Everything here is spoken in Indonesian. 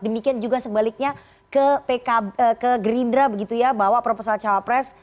demikian juga sebaliknya ke gerindra begitu ya bawa proposal cawapres